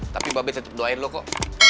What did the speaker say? tapi mbak b tetep doain lo kok